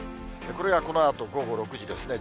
これがこのあと午後６時ですね。